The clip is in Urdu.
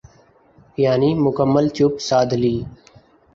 یعنی مکمل چپ سادھ لی۔